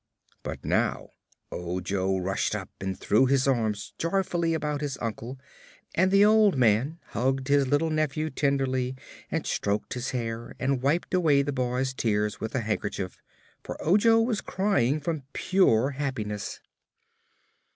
But now Ojo rushed up and threw his arms joyfully about his uncle, and the old man hugged his little nephew tenderly and stroked his hair and wiped away the boy's tears with a handkerchief, for Ojo was crying from pure happiness.